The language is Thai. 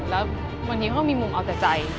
แล้วบางทีเขามีมุมออกจากใจ